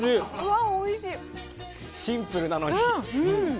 シンプルなのに。